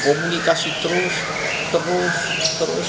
komunikasi terus terus